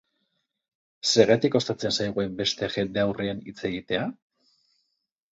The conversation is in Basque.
Zergatik kostatzen zaigu hainbeste jendaurrean hitz egitea?